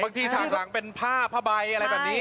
ฉากหลังเป็นผ้าผ้าใบอะไรแบบนี้